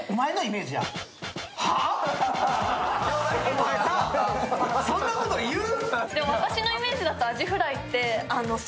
お前さあそんなこと言う？